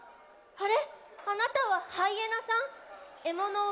あれ？